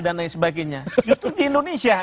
dan lain sebagainya justru di indonesia